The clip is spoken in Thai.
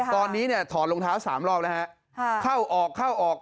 ตอนนี้ถอนลงเท้าสามรอบนะครับ